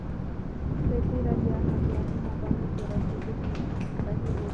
په تېره بیا عقلاني مباحثو رسېدلی بهیر و